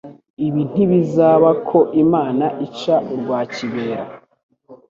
Ibi ntibizaba ko Imana ica urwa kibera.